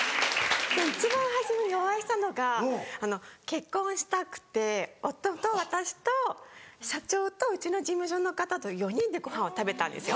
一番初めにお会いしたのが結婚したくて夫と私と社長とうちの事務所の方と４人でごはんを食べたんですよ。